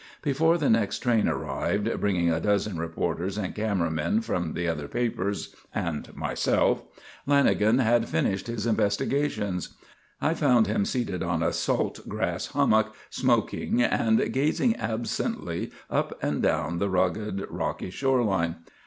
Before the next train arrived, bringing a dozen reporters and camera men from the other papers, and myself, Lanagan had finished his investigations. I found him seated on a salt grass hummock, smoking and gazing absently up and down the ragged, rocky shore line.